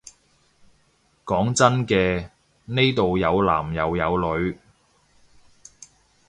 講真嘅，呢度有男又有女